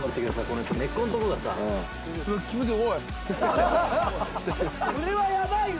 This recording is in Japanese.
これはやばいわ！